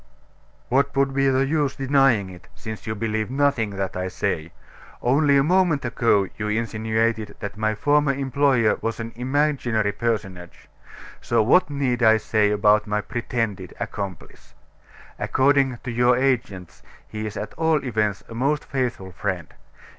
"What would be the use denying it, since you believe nothing that I say? Only a moment ago you insinuated that my former employer was an imaginary personage; so what need I say about my pretended accomplice? According to your agents, he's at all events a most faithful friend.